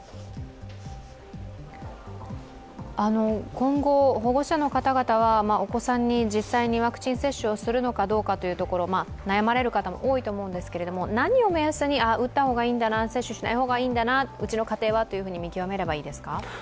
今後、保護者の方々はお子さんに実際にワクチン接種をするのかどうか、悩まれる方も多いと思うんですが、何を目安に打った方がいいんだな、接種しない方がいいんだなうちの家庭はと見極めればいいですか。